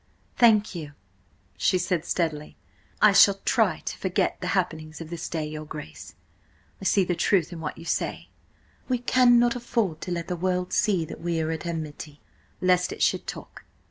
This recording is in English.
"Thank you," she said steadily. "I shall try to forget the happenings of this day, your Grace. I see the truth in what you say–we cannot afford to let the world see that we are at enmity, lest it should talk.